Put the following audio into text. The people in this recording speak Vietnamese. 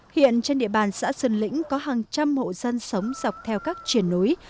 hiện trên địa bàn xã sơn lĩnh có hàng trăm hộ dân sống dọc theo các triển núi